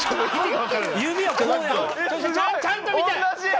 ちゃんと見たい！